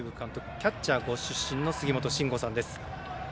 キャッチャーご出身の杉本真吾さんです。